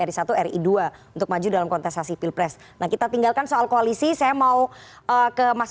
ri satu ri dua untuk maju dalam kontestasi pilpres nah kita tinggalkan soal koalisi saya mau ke mas